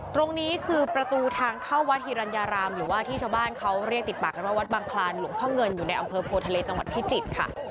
ตรงนี้คือประตูทางเข้าวัดฮิรัญญารามหรือว่าที่ชาวบ้านเขาเรียกติดปากกันว่าวัดบังคลานหลวงพ่อเงินอยู่ในอำเภอโพทะเลจังหวัดพิจิตรค่ะ